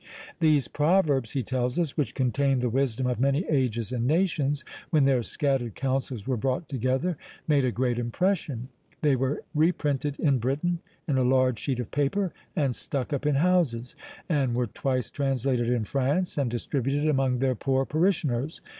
"These proverbs," he tells us, "which contained the wisdom of many ages and nations, when their scattered counsels were brought together, made a great impression. They were reprinted in Britain, in a large sheet of paper, and stuck up in houses: and were twice translated in France, and distributed among their poor parishioners."